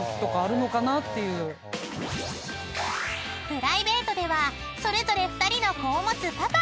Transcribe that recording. ［プライベートではそれぞれ２人の子を持つパパ］